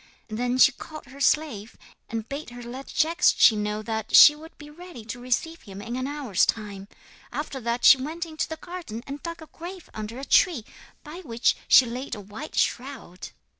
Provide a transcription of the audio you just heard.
Then she called her slave and bade her let Jagdschi know that she would be ready to receive him in an hour's time. After that she went into the garden and dug a grave under a tree, by which she laid a white shroud.